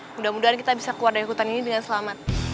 mudah mudahan kita bisa keluar dari hutan ini dengan selamat